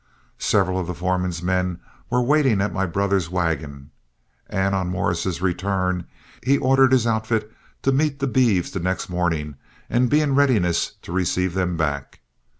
Several of the foreman's men were waiting at my brother's wagon, and on Morris's return he ordered his outfit to meet the beeves the next morning and be in readiness to receive them back.